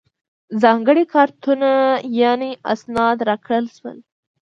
ځانګړي کارتونه یعنې اسناد راکړل شول.